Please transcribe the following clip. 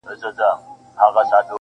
!کابل مه ورانوئ-